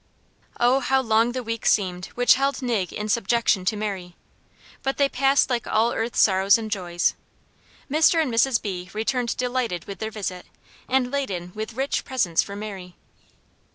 Oh, how long the weeks seemed which held Nig in subjection to Mary; but they passed like all earth's sorrows and joys. Mr. and Mrs. B. returned delighted with their visit, and laden with rich presents for Mary.